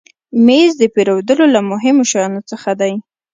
مېز د پیرودلو له مهمو شیانو څخه دی.